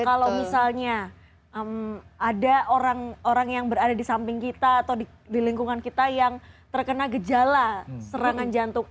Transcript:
kalau misalnya ada orang orang yang berada di samping kita atau di lingkungan kita yang terkena gejala serangan jantung